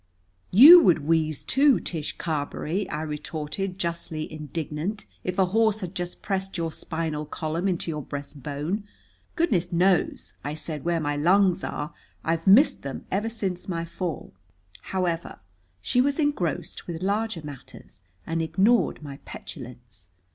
"You would wheeze, too, Tish Carberry," I retorted, justly indignant, "if a horse had just pressed your spinal column into your breast bone. Goodness knows," I said, "where my lungs are. I've missed them ever since my fall." However, she was engrossed with larger matters, and ignored my petulance.